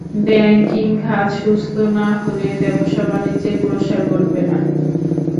Banking খাত সুস্থ না হলে ব্যবসা বাণিজ্যের প্রসার ঘটবে না।